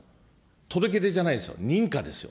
届け出じゃないですよ、認可ですよ。